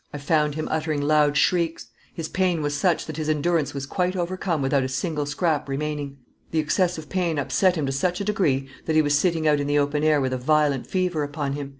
"I found him uttering loud shrieks; his pain was such that his endurance was quite overcome without a single scrap remaining. The excessive pain upset him to such a degree that he was sitting out in the open air with a violent fever upon him.